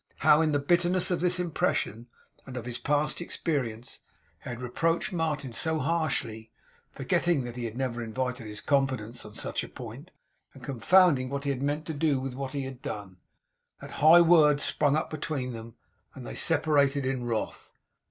How in the bitterness of this impression, and of his past experience, he had reproached Martin so harshly (forgetting that he had never invited his confidence on such a point, and confounding what he had meant to do with what he had done), that high words sprung up between them, and they separated in wrath.